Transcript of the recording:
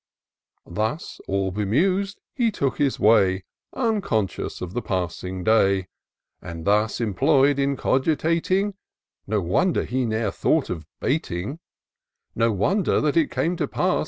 260 TOUR OF DOCTOR SYNTAX Thus, all bemus'd he took his way, Unconscious of the passing day ; And, thus employ 'd in cogitating, No wonder he ne'er thought of baiting ; No wonder that it came to pass.